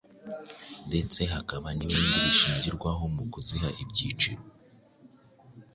ndetse hakaba n’ibindi bishingirwaho mu kuziha ibyiciro.